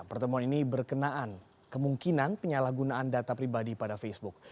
pertemuan ini berkenaan kemungkinan penyalahgunaan data pribadi pada facebook